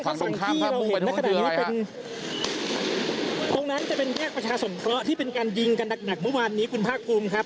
ตรงนั้นจะเป็นแยกประชาสนเพราะที่เป็นการยิงกันหนักหนักเมื่อวานนี้คุณภาคกรุงครับ